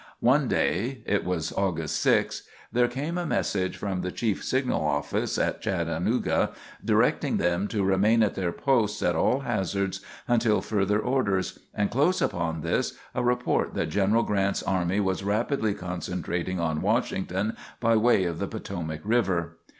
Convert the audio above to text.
One day it was August 6 there came a message from the chief signal office at Chattanooga directing them to remain at their posts, at all hazards, until further orders; and, close upon this, a report that General Grant's army was rapidly concentrating on Washington by way of the Potomac River.